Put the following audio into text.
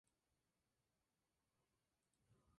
Fue muy activo en la resistencia.